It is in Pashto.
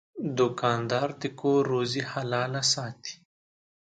دوکاندار د کور روزي حلاله ساتي.